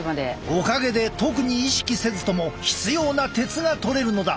おかげで特に意識せずとも必要な鉄がとれるのだ。